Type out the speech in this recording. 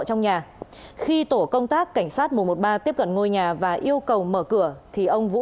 trong nhà khi tổ công tác cảnh sát một trăm một mươi ba tiếp cận ngôi nhà và yêu cầu mở cửa thì ông vũ